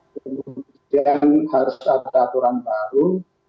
kemudian harus ada aturan baru